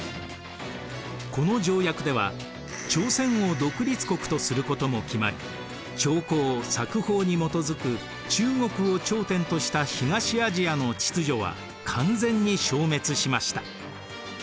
この条約では朝鮮を独立国とすることも決まり朝貢・冊封に基づく中国を頂点とした東アジアの秩序は完全に消滅しました。